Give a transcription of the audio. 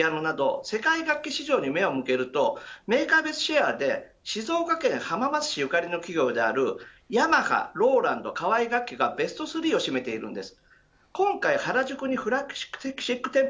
ギターやピアノなど世界の楽器市場に目を向けるとメーカー別シェアで静岡県浜松市ゆかりの企業であるヤマハ、ローランド河合楽器がベスト３を占めています。